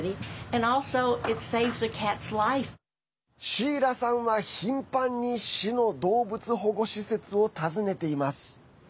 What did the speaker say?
シーラさんは頻繁に市の動物保護施設を訪ねています。